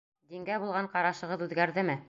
— Дингә булған ҡарашығыҙ үҙгәрҙеме?